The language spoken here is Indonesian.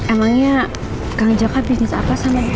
emangnya kang jaka bisnis apa sama ibu